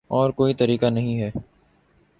اور کوئی طریقہ نہیں ہے